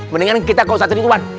mendingan kita ke ustadz ridwan